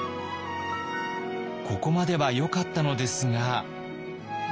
ここまではよかったのですが。